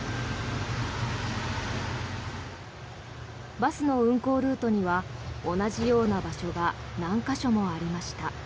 バスの運行ルートには同じような場所が何か所もありました。